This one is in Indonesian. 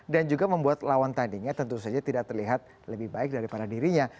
dan juga membuat lawan tandingnya tentu saja tidak terlihat lebih baik daripada dirinya